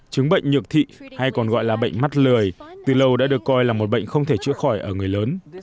chứng bệnh nhược thị hay còn gọi là bệnh mắt lười từ lâu đã được coi là một bệnh không thể chữa khỏi ở người lớn